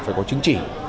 phải có chứng chỉ